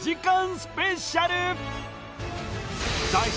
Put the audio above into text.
スペシャル脱出